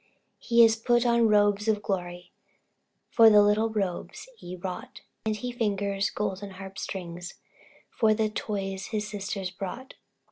He has put on robes of glory For the little robes ye wrought; And he fingers golden harp strings For the toys his sisters brought.